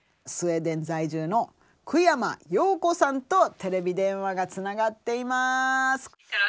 スウェーデン在住の久山葉子さんとテレビ電話がつながっています。